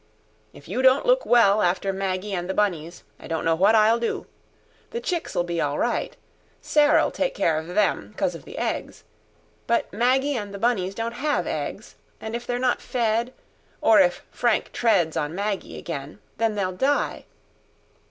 "If you don't look well after Maggy and the bunnies, I don't know what I'll do. The chicks'll be all right. Sarah'll take care of them, 'cause of the eggs. But Maggy and the bunnies don't have eggs, and if they're not fed, or if Frank treads on Maggy again, then they'll die.